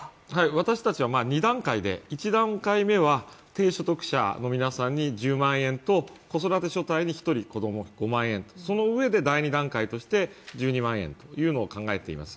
私たちは２段階で、１段階目は低所得者の方に１０万円と子育て世帯に１人子供５万円、そのうえで第２段階として１２万円というのを考えています。